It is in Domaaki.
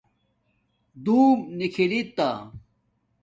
دُݸم نِکھی تݳ